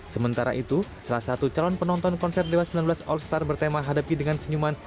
sementara itu salah satu calon penonton konser dewa sembilan belas all star bertema hadapi dengan senyuman